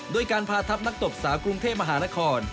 โดยการพาทัพนักตบสาวกรุงเทพมหานคร